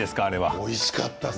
おいしかったです。